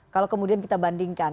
kalau kemudian kita bandingkan